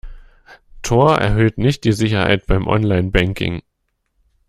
Tor erhöht nicht die Sicherheit beim Online-Banking.